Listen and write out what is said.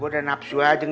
dan ini siapkan